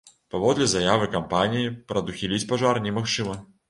Паводле заявы кампаніі, прадухіліць пажар немагчыма.